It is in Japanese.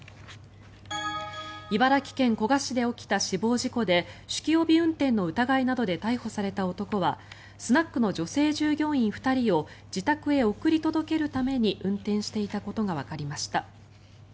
茨城県古河市で起きた死亡事故で酒気帯び運転の疑いなどで逮捕された男はスナックの女性従業員２人を自宅へ送り届けるために運転していたことがわかりました。